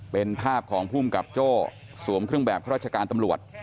เป็นภาพของภูมิกับโจ้สวมเครื่องแบบข้าราชการตำรวจ